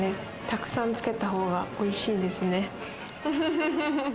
たくさんつけたほうがおいしいですね。